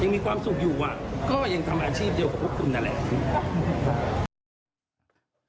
มีความสุขอยู่ก็ยังทำอาชีพเดียวกับพวกคุณนั่นแหละ